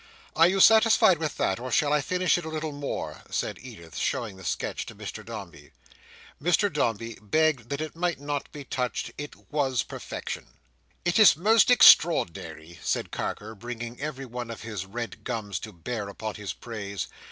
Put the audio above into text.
"Are you satisfied with that, or shall I finish it a little more?" said Edith, showing the sketch to Mr Dombey. Mr Dombey begged that it might not be touched; it was perfection. "It is most extraordinary," said Carker, bringing every one of his red gums to bear upon his praise.